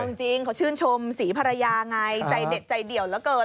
เอาจริงเขาชื่นชมศรีภรรยาไงใจเด็ดใจเดี่ยวเหลือเกิน